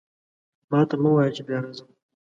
ماته مه وایه چې بیا راځم.